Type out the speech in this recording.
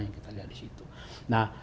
yang kita lihat disitu nah